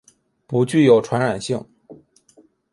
不具有传染性。